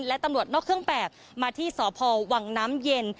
และตำรวจนอกเครื่องแบบมาที่สพวังน้ำเย็น